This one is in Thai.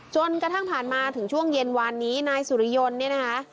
จนกระทั่งผ่านมาถึงช่วงเย็นวานนี้นายสุริยนต์เนี่ยนะคะ